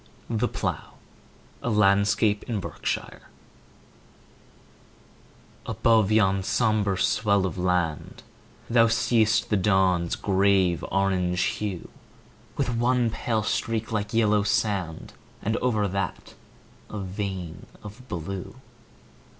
The Plough A LANDSCAPE IN BERKSHIRE ABOVE yon sombre swell of land Thou see'st the dawn's grave orange hue, With one pale streak like yellow sand, And over that a vein of blue.